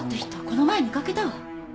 この前見かけたわ。